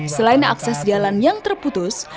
selain akses jalan yang terputus